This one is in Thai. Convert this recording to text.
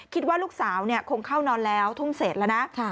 คิดว่าลูกสาวคงเข้านอนแล้วทุ่มเสร็จแล้วนะ